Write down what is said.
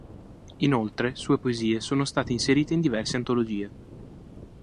Inoltre, sue poesie sono state inserite in diverse antologie.